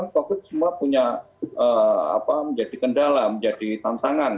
covid semua punya menjadi kendala menjadi tantangan